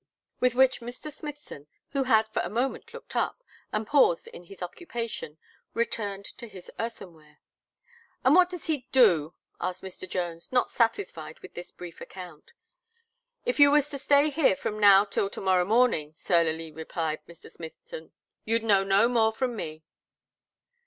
With which Mr. Smithson, who had for a moment looked up, and paused in his occupation, returned to his earthenware. "And what does he do?" asked Mr. Jones, not satisfied with this brief account. "If you was to stay here from now till to morrow morning," surlily replied Mr. Smithson, "you'd know no more from me."